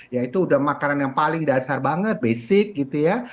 ya itu udah makanan yang paling dasar banget basic gitu ya